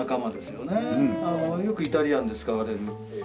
よくイタリアンで使われる。